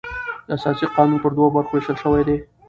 اساسي قانون پر دوو برخو وېشل سوى دئ.